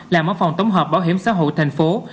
là máu phòng tống hợp bảo hiểm xã hội tp hcm